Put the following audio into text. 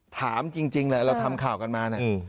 ถามจริงแหละเราทำข่าวกันมาเนี่ย